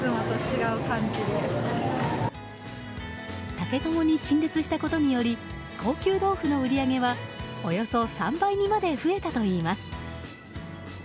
竹かごに陳列したことにより高級豆腐の売り上げはおよそ３倍にまで増えたといいます。